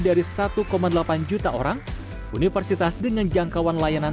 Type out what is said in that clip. adalah alumni terbanyak lebih dari satu delapan juta orang universitas dengan jangkauan layanan